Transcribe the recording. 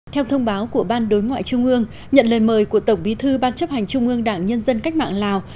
theo thông báo của ban đối ngoại trung ương nhận lời mời của tổng bí thư ban chấp hành trung ương đảng nhân dân cách mạng lào